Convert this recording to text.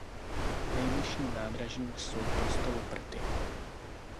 Nejbližším nádražím jsou Postoloprty.